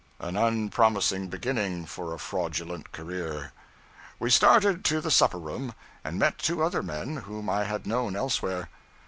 An unpromising beginning for a fraudulent career. We started to the supper room, and met two other men whom I had known elsewhere.